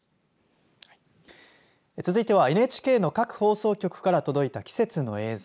続いてはＮＨＫの各放送局から届いた季節の映像。